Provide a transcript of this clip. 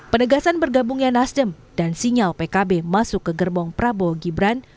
penegasan bergabungnya nasdem dan sinyal pkb masuk ke gerbong prabowo gibran